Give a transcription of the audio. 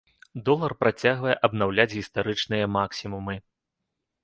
Долар працягвае абнаўляць гістарычныя максімумы.